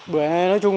buổi này nói chung